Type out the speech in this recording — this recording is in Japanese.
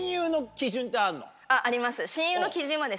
あります。